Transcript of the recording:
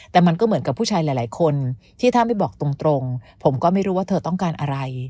แต่มันก็เหมือนกับผู้ชายหลายคนที่ถ้าไม่บอกตรงผมก็ไม่รู้ว่าเธอต้องการอะไร